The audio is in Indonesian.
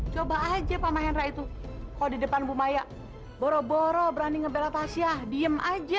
coba aja pak hendra itu kau di depan bu maya boro boro berani ngebelah tasya diem aja